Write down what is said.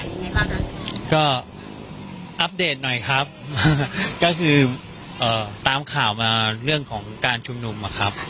ยังไงบ้างคะก็อัปเดตหน่อยครับก็คือเอ่อตามข่าวมาเรื่องของการชุมนุมอะครับ